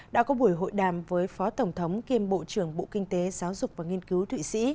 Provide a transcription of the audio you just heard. đã có buổi hội đàm với phó tổng thống kiêm bộ trưởng bộ kinh tế giáo dục và nghiên cứu thụy sĩ